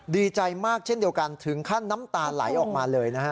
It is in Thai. ดีใจมากเช่นเดียวกันถึงขั้นน้ำตาไหลออกมาเลยนะฮะ